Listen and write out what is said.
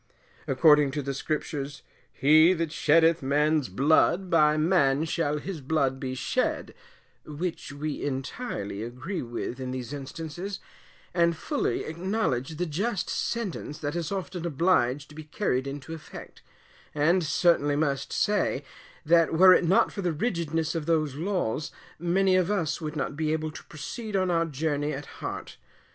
According to the Scriptures, "He that sheddeth man's blood, by man shall his blood be shed," which we entirely agree with in these instances, and fully acknowledge the just sentence that is often obliged to be carried into effect; and certainly must say, that were it not for the rigidness of those laws, many of us would not be able to proceed on our journey at heart.